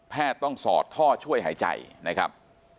ต้องสอดท่อช่วยหายใจนะครับ